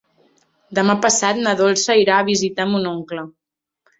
Demà passat na Dolça irà a visitar mon oncle.